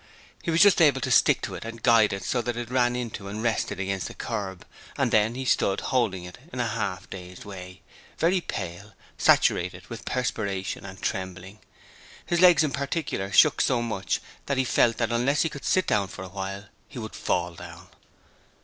He was just able to stick to it and guide it so that it ran into and rested against the kerb, and then he stood holding it in a half dazed way, very pale, saturated with perspiration, and trembling. His legs in particular shook so much that he felt that unless he could sit down for a little, he would FALL down.